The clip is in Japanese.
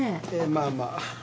まあまあ。